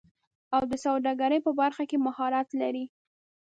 او د سوداګرۍ په برخه کې مهارت لري